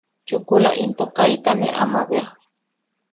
Chukula into kaita ne ama bea...